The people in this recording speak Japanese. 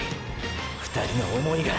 ２人の想いが。